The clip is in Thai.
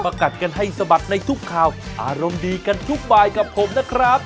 กัดกันให้สะบัดในทุกข่าวอารมณ์ดีกันทุกบายกับผมนะครับ